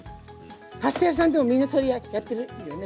パスタ屋さんでもみんなそれやってるよね